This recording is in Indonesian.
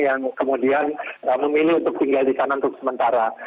yang kemudian memilih untuk tinggal di sana untuk sementara